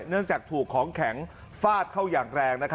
เนื่องจากถูกของแข็งฟาดเข้าอย่างแรง